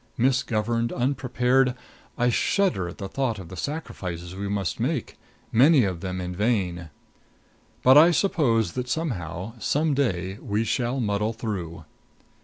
Misgoverned; unprepared I shudder at the thought of the sacrifices we must make, many of them in vain. But I suppose that somehow, some day, we shall muddle through."